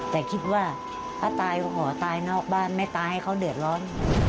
แต่คิดว่าถ้าตายก็ขอตายนอกบ้านไม่ตายให้เขาเดือดร้อน